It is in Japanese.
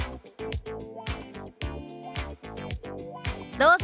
どうぞ。